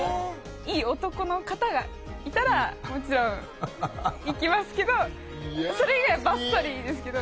いい男の方がいたらもちろん行きますけどそれ以外はバッサリですけど。